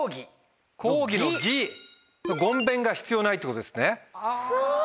ごんべんが必要ないってことですね。